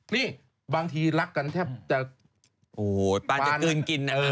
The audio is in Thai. นี่บางทีรักกันแทบจะโอ้โฮป่านจะเกินกินนะ